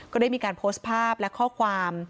ก็ได้มีการโพสต์ภาพและข้อความ